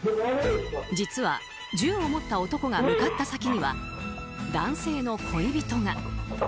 実は銃を持った男が向かった先には男性の恋人が。